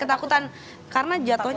ketakutan karena jatuhnya